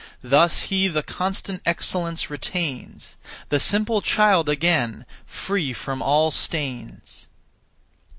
Thus he the constant excellence retains; The simple child again, free from all stains.